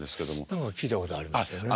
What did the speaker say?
何か聞いたことありますよね。